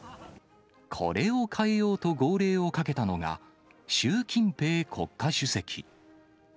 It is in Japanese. これを変えようと、号令をかけたのが、習近平国家主席。